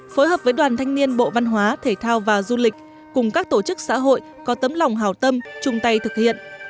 phối hợp với đoàn thanh niên bộ văn hóa thể thao và du lịch cùng các tổ chức xã hội có tấm lòng hào tâm chung tay thực hiện